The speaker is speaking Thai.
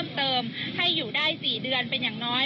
เติมให้อยู่ได้๔เดือนเป็นอย่างน้อย